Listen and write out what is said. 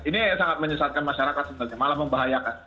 ini sangat menyesatkan masyarakat sebenarnya malah membahayakan